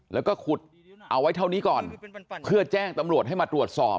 แล้วก็ขุดเอาไว้เท่านี้ก่อนเพื่อแจ้งตำรวจให้มาตรวจสอบ